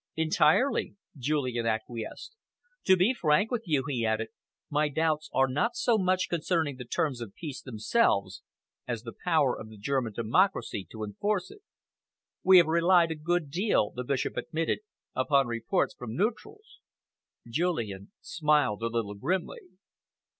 "Entirely," Julian acquiesced. "To be frank with you," he added, "my doubts are not so much concerning the terms of peace themselves as the power of the German democracy to enforce them." "We have relied a good deal," the Bishop admitted, "upon reports from neutrals." Julian smiled a little grimly.